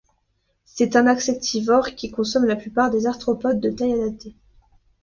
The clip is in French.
C'est un insectivore qui consomme la plupart des arthropodes de taille adaptée.